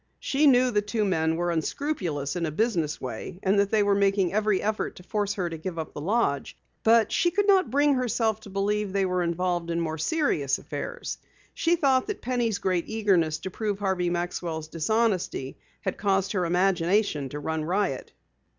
She knew the two men were unscrupulous in a business way and that they were making every effort to force her to give up the lodge, but she could not bring herself to believe they were involved in more serious affairs. She thought that Penny's great eagerness to prove Harvey Maxwell's dishonesty had caused her imagination to run riot.